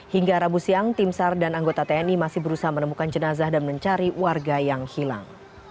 hingga rabu siang tim sar dan anggota tni masih berusaha menemukan jenazah dan mencari warga yang hilang